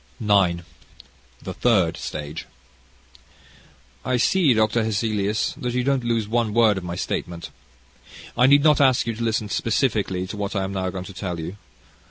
CHAPTER IX The Third Stage "I see, Dr. Hesselius, that you don't lose one word of my statement. I need not ask you to listen specially to what I am now going to tell you.